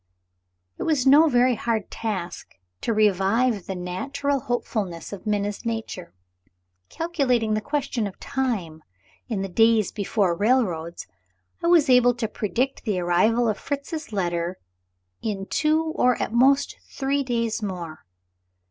It was no very hard task to revive the natural hopefulness of Minna's nature. Calculating the question of time in the days before railroads, I was able to predict the arrival of Fritz's letter in two, or at most three days more.